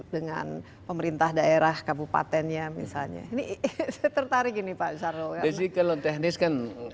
dengan pemerintah daerah kabupatennya misalnya ini tertarik ini pak charles kalau teknis kan